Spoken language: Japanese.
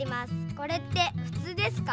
これってふつうですか？